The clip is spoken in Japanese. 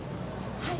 はい。